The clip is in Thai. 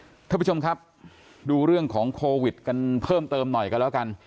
คุณผู้ชมครับดูเรื่องของโควิดกันเพิ่มเติมหน่อยกันแล้วกัน